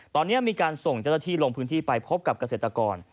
ตอนนี้มีการส่งเจ้าหน้าที่ลงพื้นที่ไปพบกับเกษตรกร